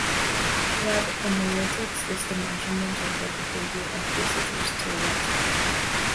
Web analytics is the measurement of the behavior of visitors to a website.